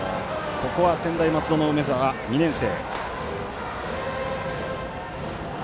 ここは専大松戸の梅澤、２年生。